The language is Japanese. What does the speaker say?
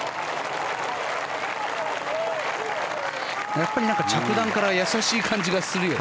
やっぱり着弾から優しい感じがするよね。